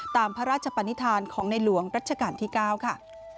ตามพระราชปนิษฐานของในหลวงรัชกาลที่๙ค่ะ